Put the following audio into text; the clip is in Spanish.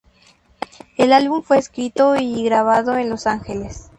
El álbum fue escrito y grabado en Los Ángeles.